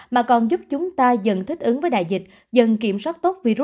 mà còn giúp chúng ta dần thích ứng với đại dịch dần kiểm soát tốt virus